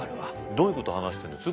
どういうこと話してるんです？